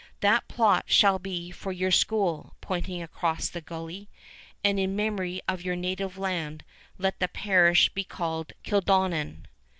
"That plot shall be for your school," pointing across the gully; "and in memory of your native land, let the parish be called Kildonan."